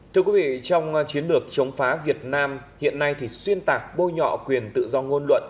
thưa quý vị trong chiến lược chống phá việt nam hiện nay thì xuyên tạc bôi nhọ quyền tự do ngôn luận